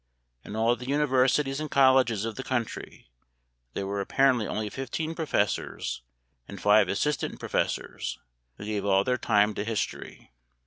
In all the universities and colleges of the country there were apparently only fifteen professors and five assistant professors who gave all their time to history.